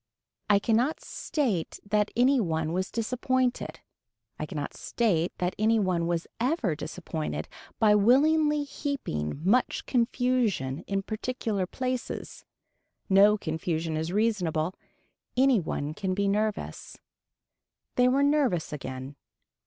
I cannot state that anyone was disappointed. I cannot state that any one was ever disappointed by willingly heaping much confusion in particular places. No confusion is reasonable. Anybody can be nervous. They were nervous again.